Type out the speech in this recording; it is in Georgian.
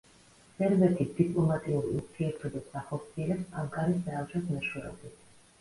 სერბეთი დიპლომატიურ ურთიერთობებს ახორციელებს ანკარის საელჩოს მეშვეობით.